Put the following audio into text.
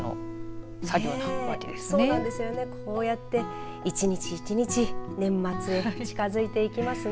こうやって一日一日年末へ近づいていきますね。